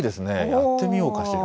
やってみようかしら。